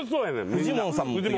フジモンさんも。